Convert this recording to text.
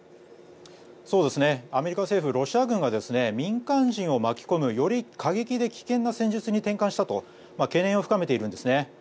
アメリカ政府はロシア軍が民間人を巻き込むより過激で危険な戦術に転換したと懸念を深めているんです。